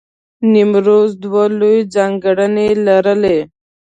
نیمروز دوه لوی ځانګړنې لرلې.